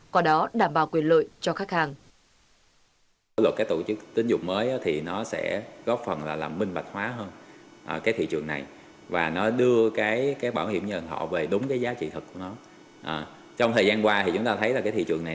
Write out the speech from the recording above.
có đó đảm bảo quyền lợi cho khách hàng